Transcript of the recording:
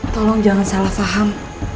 tolong jangan salah faham